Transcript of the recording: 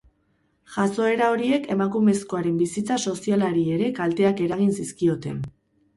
Jazoera horiek emakumezkoaren bizitza sozialari ere kalteak eragin zizkioten.